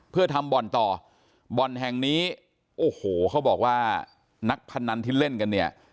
เพื่อทำบ่อนต่อบ่อนแห่งนี้โอ้โหเขาบอกว่านักพนันที่เล่นกันเนี่ย